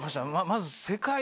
まず。